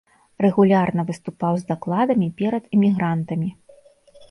Рэгулярна выступаў з дакладамі перад эмігрантамі.